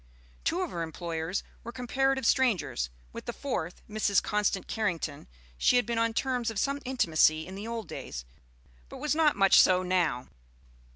Two of her employers were comparative strangers; with the fourth, Mrs. Constant Carrington, she had been on terms of some intimacy in the old days, but was not much so now.